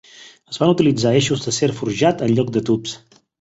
Es van utilitzar eixos d'acer forjat en lloc de tubs.